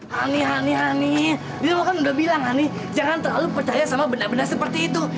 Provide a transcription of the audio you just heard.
hani hani hani lino kan udah bilang hani jangan terlalu percaya sama benda benda seperti itu